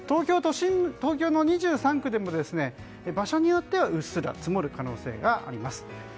東京２３区でも場所によってはうっすら積もる可能性があります。